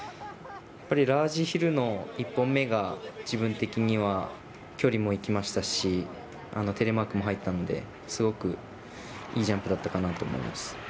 やっぱりラージヒルの１本目が、自分的には距離もいきましたし、テレマークも入ったので、すごくいいジャンプだったかなと思います。